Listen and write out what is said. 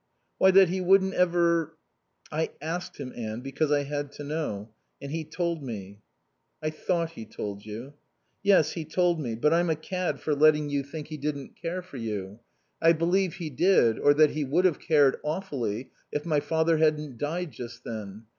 "Why, that he wouldn't ever " "I asked him, Anne, because I had to know. And he told me." "I thought he told you." "Yes, he told me. But I'm a cad for letting you think he didn't care for you. I believe he did, or that he would have cared awfully if my father hadn't died just then.